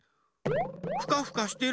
ふかふかしてる？